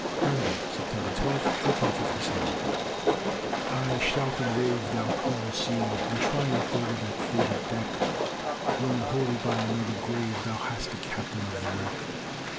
HERNDON [September 12, 1857] Ay, shout and rave, thou cruel sea, In triumph o'er that fated deck, Grown holy by another grave Thou hast the captain of the wreck.